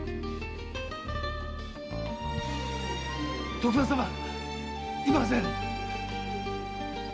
徳田様いません。